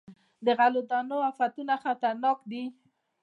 د غلو دانو افتونه خطرناک دي.